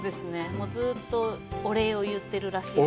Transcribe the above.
もうずうっとお礼を言ってるらしいです。